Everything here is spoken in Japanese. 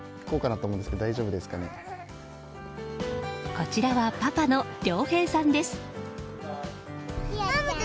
こちらはパパの涼平さんです。